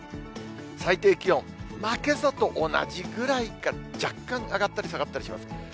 最低気温、まあ、けさと同じくらいか、若干上がったり、下がったりします。